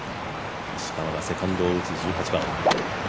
石川がセカンドを打つ１８番。